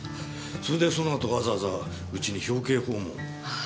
それでそのあとわざわざうちに表敬訪問を。